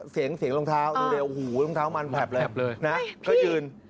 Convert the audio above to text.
เสียงเสียงรองเท้าดูเร็วหูรองเท้ามันแผบแลบเลยนะก็ยืน